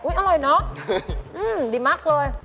อุ๊ยอร่อยเนอะอืมดีมากเลย